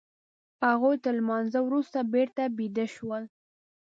هغوی تر لمانځه وروسته بېرته بيده شول.